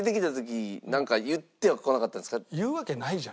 言うわけないじゃない。